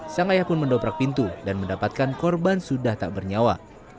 sang ayah pun mendobrak pintu dan mendapatkan korban sudah tak bernyawa